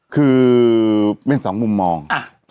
คือเป็นสองมุมมอง